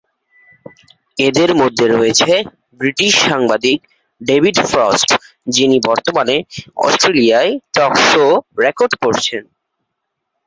এদের মধ্যে রয়েছেন ব্রিটিশ সাংবাদিক ডেভিড ফ্রস্ট, যিনি বর্তমানে অস্ট্রেলিয়ায় টক শো রেকর্ড করছেন।